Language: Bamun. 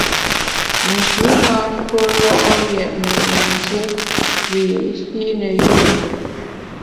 Nji na ntue lo’ yètne yin dié wiyi’shi ne yùe lùm.